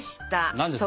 何ですか？